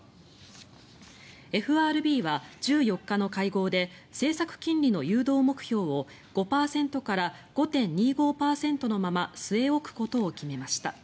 ＦＲＢは１４日の会合で政策金利の誘導目標を５％から５．２５％のまま据え置くことを決めました。